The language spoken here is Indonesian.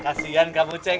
kasian kamu ceng